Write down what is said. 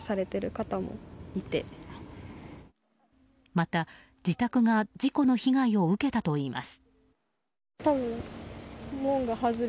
また、自宅が事故の被害を受けたといいます。